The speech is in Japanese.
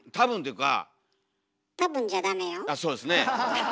あっそうですね。